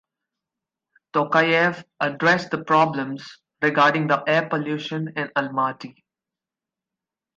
Tokayev addressed the problems regarding the air pollution in Almaty.